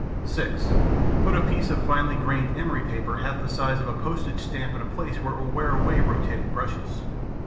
(6) Put a piece of finely grained emery paper half the size of a postage stamp in a place where it will wear away rotating brushes.